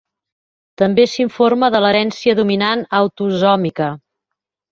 També s'informa de l'herència dominant autosòmica.